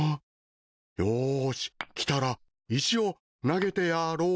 よーし来たら石を投げてやろう。